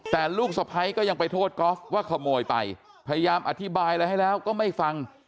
แต่ลูกสะพ้ายก็ยังไปโทษกอล์ฟว่าขโมยไปพยายามอธิบายอะไรให้แล้วก็ไม่ฟัง